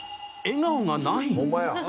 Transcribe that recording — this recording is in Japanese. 笑顔がない。